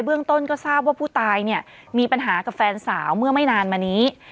เรื่องต้นก็ทราบว่าผู้ตายเนี่ยมีปัญหากับแฟนสาวเมื่อไม่นานมานี้